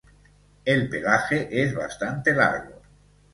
El pelaje es bastante largo.